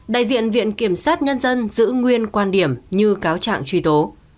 đại diện viện kiểm sát nhân dân giữ nguyên quan điểm như cáo trạng truy tố